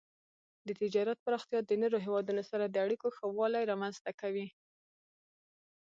د تجارت پراختیا د نورو هیوادونو سره د اړیکو ښه والی رامنځته کوي.